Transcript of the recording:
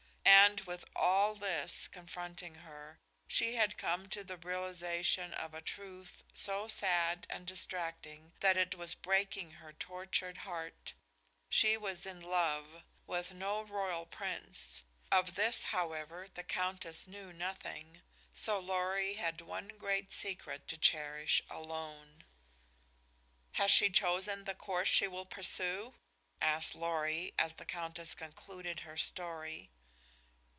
And, with all this confronting her, she had come to the realization of a truth so sad and distracting; that it was breaking her tortured heart. She was in love but with no royal prince! Of this, however, the Countess knew nothing, so Lorry had one great secret to cherish alone. "Has she chosen the course she will pursue?" asked Lorry, as the Countess concluded her story.